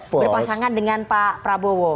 berpasangan dengan pak prabowo